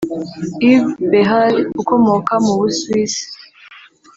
Yves Behar ukomoka mu Busuwisi